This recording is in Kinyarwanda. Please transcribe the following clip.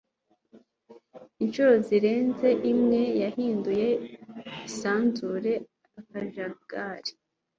inshuro zirenze imwe yahinduye isanzure akajagari